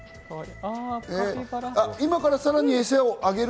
今からさらに餌を？